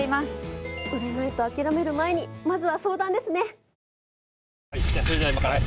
売れないと諦める前にまずは相談ですね！